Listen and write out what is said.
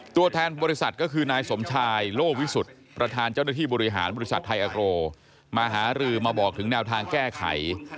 ตัวแทนบริษัทก็คือนายสมชายโลวิสุทธิ์ประธานเจ้าหน้าที่บริหารบริษัทไทยอาโกมาหารือมาบอกถึงแนวทางแก้ไข